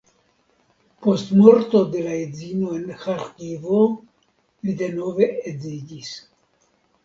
Post morto de la edzino en Ĥarkivo li denove edziĝis.